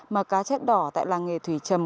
mà cá chép đỏ tại làng nghề thủy trầm